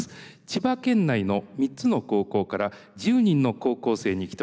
千葉県内の３つの高校から１０人の高校生に来てもらいました。